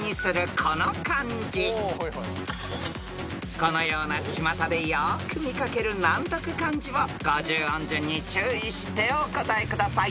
［このようなちまたでよく見掛ける難読漢字を五十音順に注意してお答えください］